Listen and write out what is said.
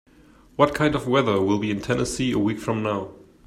What kind of weather will be in Tennessee a week from now ?